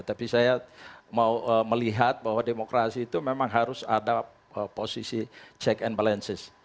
tapi saya mau melihat bahwa demokrasi itu memang harus ada posisi check and balances